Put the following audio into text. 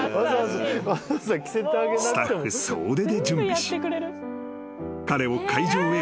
［スタッフ総出で準備し彼を会場へ送り届けた］